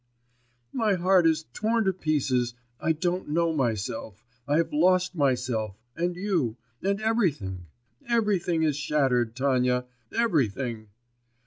My heart is torn to pieces, I don't know myself, I have lost myself, and you, and everything.... Everything is shattered, Tanya, everything!